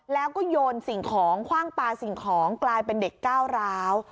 แล้วก็โยนสิ่งของคว่างปลาสิ่งของกลายเป็นเด็กก้าวร้าว